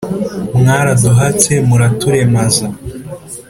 mwaraduhatse muraturemaza,